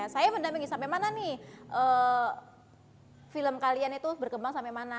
saya mendampingi sampai mana nih film kalian itu berkembang sampai mana